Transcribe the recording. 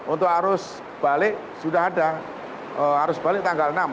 untuk arus balik sudah ada arus balik tanggal enam